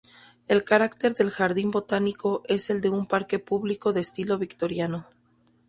El carácter del jardín botánico es el de un parque público de estilo Victoriano.